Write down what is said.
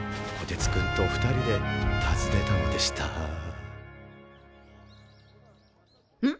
つくんと２人で訪ねたのでしたん？